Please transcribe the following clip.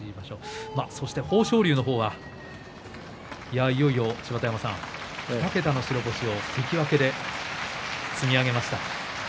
豊昇龍の方はいよいよ芝田山さん２桁の白星を関脇で積み上げました。